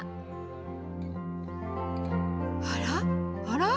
あらあら？